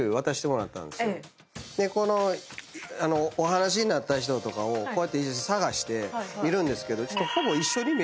でお話しになった人とかをこうやって探して見るんですけど。